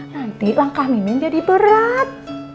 nanti langkah mimin jadi berat